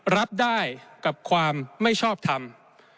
รับได้กับความไม่ชอบทำ